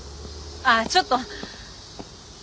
ああちょっと。